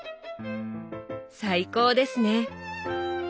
最高ですね！